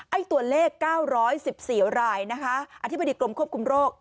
ตัวเลข๙๑๔รายนะคะอธิบดีกรมควบคุมโรค